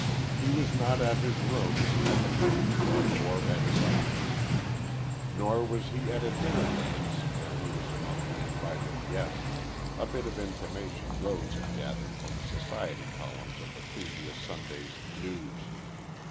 He was not at his rooms, at the Country Club, or at his office. Nor was he at a dinner dance where he was among the invited guests, a bit of information Rose had gathered from the society columns of the previous Sunday's "News."